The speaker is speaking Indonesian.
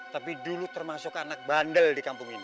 tapi dulu termasuk anak bandel di kampung ini